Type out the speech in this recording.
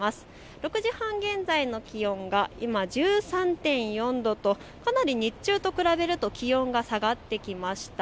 ６時半現在の気温が１３．４度とかなり日中と比べると気温が下がってきました。